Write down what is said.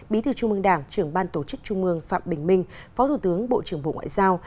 bí thư trung mương đảng trưởng ban tổ chức trung mương phạm bình minh phó thủ tướng bộ trưởng bộ ngoại giao